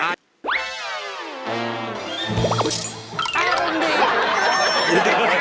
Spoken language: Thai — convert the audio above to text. อารมณ์ดี